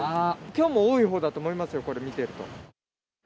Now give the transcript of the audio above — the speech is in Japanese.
きょうも多いほうだと思いますよ、これ、見てると。